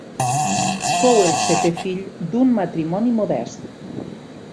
Fou el setè fill d'un matrimoni modest.